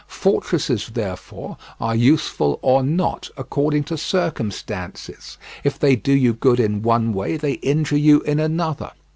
Fortresses, therefore, are useful or not according to circumstances; if they do you good in one way they injure you in another.